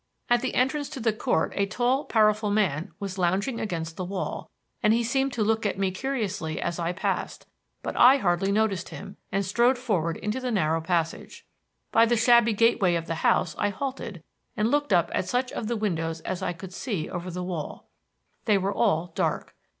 At the entrance to the Court a tall, powerful man was lounging against the wall, and he seemed to look at me curiously as I passed; but I hardly noticed him and strode forward into the narrow passage. By the shabby gateway of the house I halted and looked up at such of the windows as I could see over the wall. They were all dark.